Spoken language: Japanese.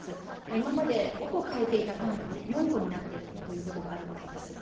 今まで５個買えていたパンが４個になってるということがあるわけです。